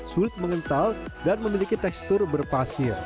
sulit mengental dan memiliki tekstur berpasir